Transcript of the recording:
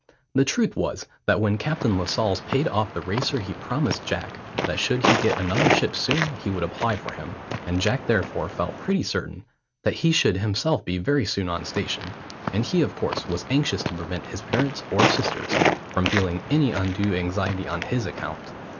The truth was that when Captain Lascelles paid off the Racer he promised Jack that should he get another ship soon he would apply for him, and Jack therefore felt pretty certain that he should himself be very soon on station, and he of course was anxious to prevent his parents or sisters from feeling any undue anxiety on his account.